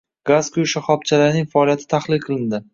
gaz quyish shoxobchalarining faoliyati tahlil qilindi.